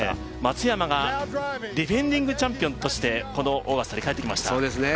松山がディフェンディングチャンピオンとしてこのオーガスタに帰ってきました。